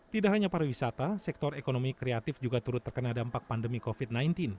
tidak hanya pariwisata sektor ekonomi kreatif juga turut terkena dampak pandemi covid sembilan belas